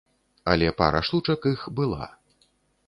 Але пара штучак іх была.